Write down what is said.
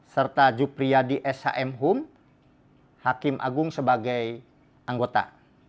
serta jupriyadi shmhum hakim agung sebagai anggota